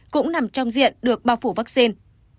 cũng nằm trong diện được bao phủ vaccine